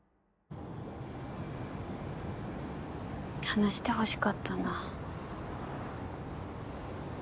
話してほしかったな。